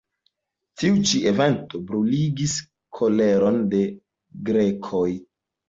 Tiu ĉi evento bruligis koleron de grekoj.